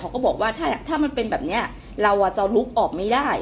เขาก็บอกว่าถ้าถ้ามันเป็นแบบเนี้ยเราอ่ะจะลุกออกไม่ได้